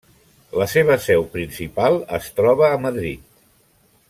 La seva seu principal es troba a Madrid.